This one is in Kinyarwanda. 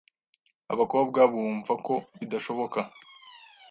abakobwa bumva ko bidashoboka